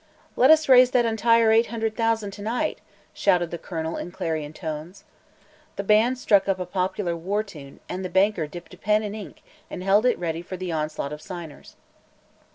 "Let us raise that entire eight hundred thousand to night!" shouted the Colonel, in clarion tones. Then the band struck up a popular war tune, and the banker dipped a pen in ink and held it ready for the onslaught of signers.